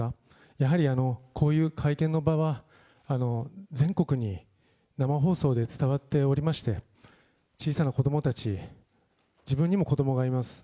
やはりあの、こういう会見の場は、全国に生放送で伝わっておりまして、小さな子どもたち、自分にも子どもがいます。